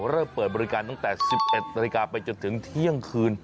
เริ่มเปิดบริการตั้งแต่๑๑นาฬิกาไปจนถึงเที่ยงคืน